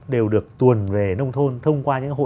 đều được tuồn về nông thôn